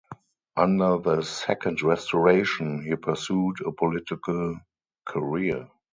Under the Second Restoration, he pursued a political career.